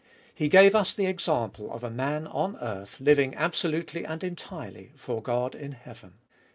He gave us the example of a man on earth living absolutely and entirely for God in heaven.